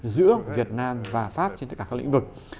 giữa việt nam và pháp trên tất cả các lĩnh vực